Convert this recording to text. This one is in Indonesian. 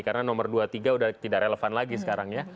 karena nomor dua tiga udah tidak relevan lagi sekarang ya